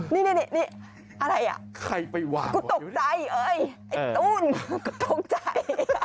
นี่อะไรอ่ะกูตกใจเฮ้ยไอ้ตุ้นกูตกใจ